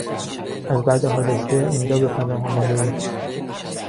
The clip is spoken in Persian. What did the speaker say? از بد حادثه اینجا به پناه آمدهایم